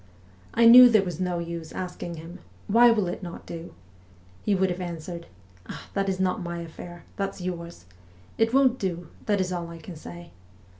I knew there was no use asking him, ' Why will it not do ?' He would have answered :' Ah, that is not my affair ; that's yours. It won't do ; that is all I can say.'